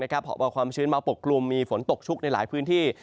หอบเอาความชื้นมาปกกลุ่มมีฝนตกชุกในหลายพื้นที่